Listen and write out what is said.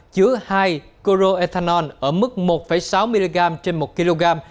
chứa hai coroethanol ở mức một sáu mg trên một kg